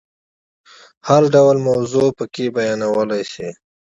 هر ډول موضوع پکې بیانولای شي.